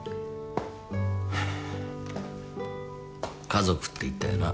家族って言ったよな？